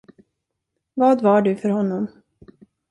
Vad var du för honom?